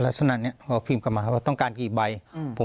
แล้วฉะนั้นเนี้ยเขาก็พิมพ์กลับมาว่าต้องการกี่ใบอืม